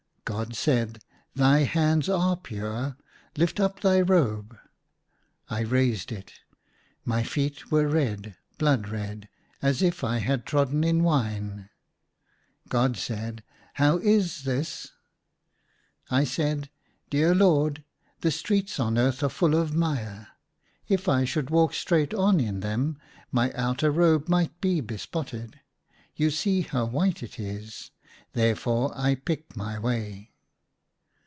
God said, " Thy hands are pure. — Lift up thy robe.'* I raised it ; my feet were red, blood red, as if I had trodden in wine. God said, " How is this ?" I said, " Dear Lord, the streets on earth are full of mire. If I should walk straight on in them my outer robe might be bespotted, you see how white it is ! Therefore I pick my way."